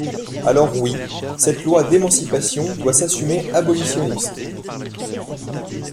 Alors oui, cette loi d’émancipation doit s’assumer abolitionniste.